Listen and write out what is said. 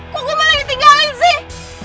kok gue mau lagi tinggalin sih